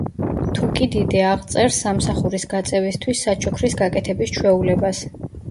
თუკიდიდე აღწერს სამსახურის გაწევისთვის საჩუქრის გაკეთების ჩვეულებას.